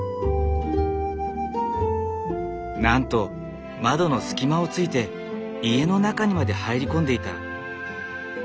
なんと窓の隙間をついて家の中にまで入り込んでいた。